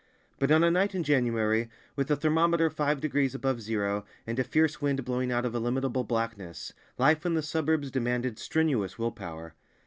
But on a night in January, with the thermometer five degrees above zero, and a fierce wind blowing out of illimitable blackness, life in the suburbs demanded strenuous will power.